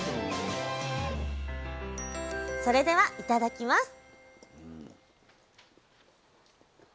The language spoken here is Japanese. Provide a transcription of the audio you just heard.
それではいただきます！